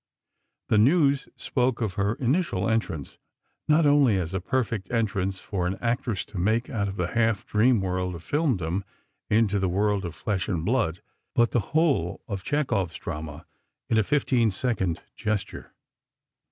The News spoke of her initial entrance, "Not only as a perfect entrance for an actress to make out of the half dream world of filmdom into the world of flesh and blood, but the whole of Chekhov's drama in a fifteen second gesture."